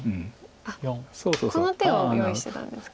この手を用意してたんですか。